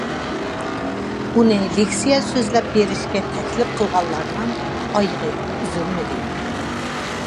ئۇنى لېكسىيە سۆزلەپ بېرىشكە تەكلىپ قىلىدىغانلارنىڭ ئايىغى ئۈزۈلمىدى.